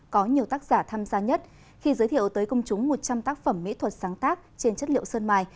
có nhiều tác giả tham gia nhất khi giới thiệu tới công chúng một trăm linh tác phẩm mỹ thuật sáng tác trên chất liệu sơn mài